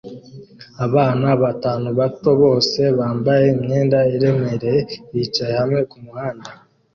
Abana batanu bato bose bambaye imyenda iremereye bicaye hamwe kumuhanda